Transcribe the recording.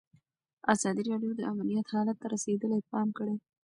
ازادي راډیو د امنیت حالت ته رسېدلي پام کړی.